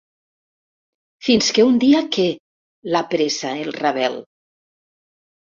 Fins que un dia què? —l'apressa el Ravel.